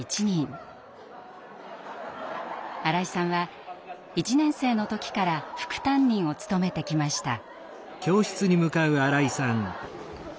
新井さんは１年生の時から副担任を務めてきました。